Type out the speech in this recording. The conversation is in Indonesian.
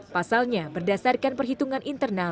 pasalnya berdasarkan perhitungan internal